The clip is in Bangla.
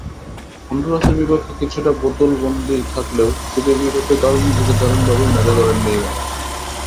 হন্ডুরাসের বিপক্ষে কিছুটা বোতলবন্দী থাকলেও চিলির বিপক্ষে কাল নিজেকে দারুণভাবেই মেলে ধরেন নেইমার।